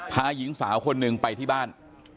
หญิงสาวคนหนึ่งไปที่บ้าน